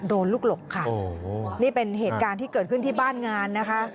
โดนลูกหลบค่ะนี่เป็นเหตุการณ์ที่เกิดขึ้นที่บ้านงานนะคะ